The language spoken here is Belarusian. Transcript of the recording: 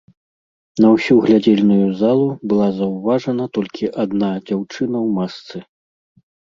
На ўсю глядзельную залу была заўважана толькі адна дзяўчына ў масцы.